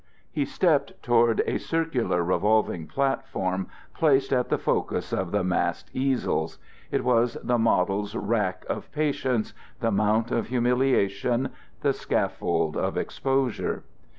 He stepped toward a circular revolving platform placed at the focus of the massed easels: it was the model's rack of patience, the mount of humiliation, the scaffold of exposure.